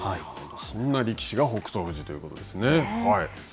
そんな力士が北勝富士ということですね。